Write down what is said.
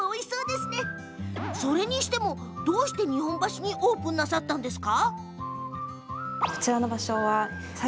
それにしても、なぜ日本橋にオープンしたんですか？